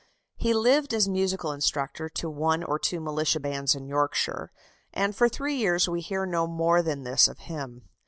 He lived as musical instructor to one or two militia bands in Yorkshire, and for three years we hear no more than this of him.